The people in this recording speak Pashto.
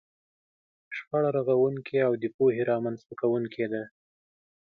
شخړه رغونکې او د پوهې رامنځته کوونکې ده.